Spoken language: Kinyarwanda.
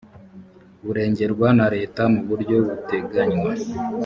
burengerwa na leta mu buryo buteganywa